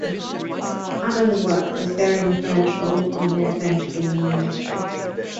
Adams's work was very influential on the adventure-gaming industry.